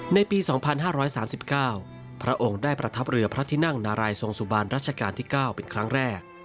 ในปี๒๕๓๙พระองค์ได้ประทับเรือพระที่นั่งนารายทรงสุบันรัชกาลที่๙เป็นครั้งแรก